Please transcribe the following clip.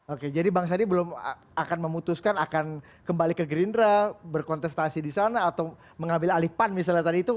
oke jadi bang sandi belum akan memutuskan akan kembali ke gerindra berkontestasi di sana atau mengambil alih pan misalnya tadi itu